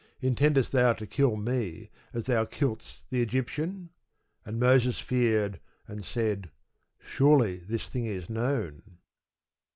intendest thou to kill me as thou killedst the Egyptian? And Moses feared, and said, Surely this thing is known.